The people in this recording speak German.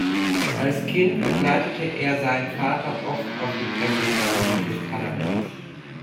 Als Kind begleitete er seinen Vater oft auf die Pressetribüne des Parlaments.